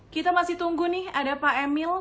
kita masih tunggu nih ada pak emil